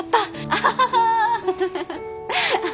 アハハハ。